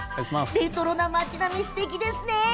レトロな町並みすてきですよね。